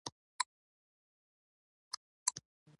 دا لنډ حقایق او کیسې مې در سره شریکې کړې.